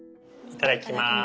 いただきます。